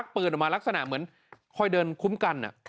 ชักปืนออกมาหลักษณะเหมือนคุ้มกัน